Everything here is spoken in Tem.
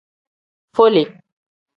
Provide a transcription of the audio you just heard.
Fole.